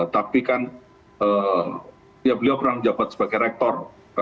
tapi kan ya beliau berang jabat sebagai rektor